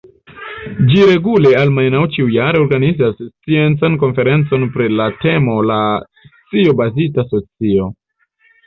Ĝi regule, almenaŭ ĉiujare, organizas sciencan konferencon pri la temo "la scio-bazita socio".